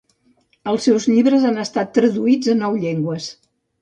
Els seus llibres han estat traduïts a nou llengües.